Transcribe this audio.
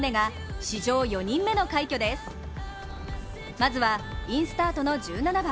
まずはインスタートの１７番。